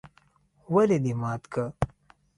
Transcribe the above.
ولې دي مات که؟؟